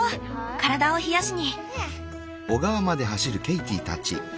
体を冷やしに。